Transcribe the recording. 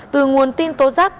từ nguồn tin tố giác